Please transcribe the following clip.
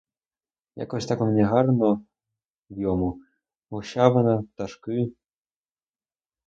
Якось так мені гарно в йому: гущавина, пташки.